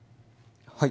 はい。